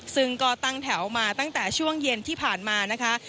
ซึ่งก็ตั้งแถวมาตั้งแต่ช่วงเย็นที่ผ่านมานะคะ